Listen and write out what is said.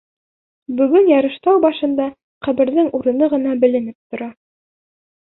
Бөгөн Ярыштау башында ҡәберҙең урыны ғына беленеп тора.